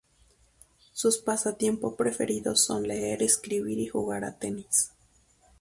Sus pasatiempo preferidos son leer, escribir y jugar a tenis.